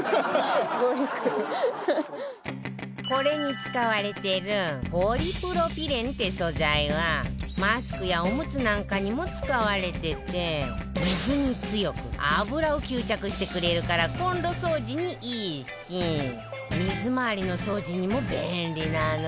これに使われてるポリプロピレンって素材はマスクやオムツなんかにも使われてて水に強く油を吸着してくれるからコンロ掃除にいいし水回りの掃除にも便利なのよね